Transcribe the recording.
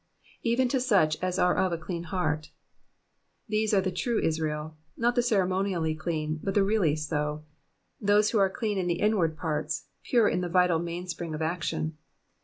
^'^Even to such as are of a clean henrt,'*^ These are the true Israel, not the ceremonially clean but the really so ; those who are clean in the inward parts, pure in the vital mainspring of action.